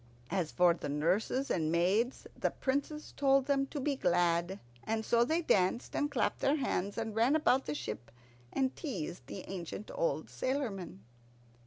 As for the nurses and maids, the Princess told them to be glad; and so they danced and clapped their hands, and ran about the ship, and teased the ancient old sailormen.